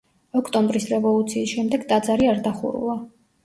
ოქტომბრის რევოლუციის შემდეგ ტაძარი არ დახურულა.